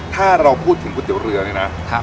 ถ้าเราพูดถึงก๋วยเตี๋ยวเรือนี่นะ